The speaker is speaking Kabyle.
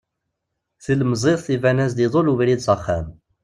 Tilemẓit iban-as-d iḍul ubrid s axxam.